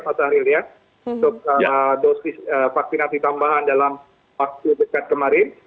untuk dosis vaksinasi tambahan dalam waktu dekat kemarin